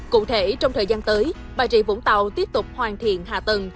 cụ thể trong thời gian tới bà rịa vũng tàu tiếp tục hoàn thiện hạ tầng